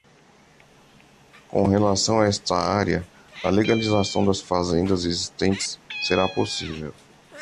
Com relação a esta área, a legalização das fazendas existentes será possível.